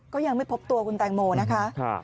ก็ยังไม่พบตัวคุณแตงโมนะคะ